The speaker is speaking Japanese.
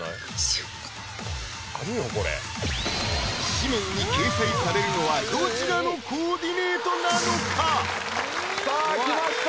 誌面に掲載されるのはどちらのコーディネートなのか⁉さあ来ました！